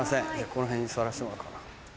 この辺に座らせてもらおうかな。